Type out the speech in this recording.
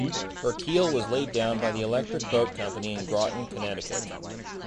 Her keel was laid down by the Electric Boat Company in Groton, Connecticut.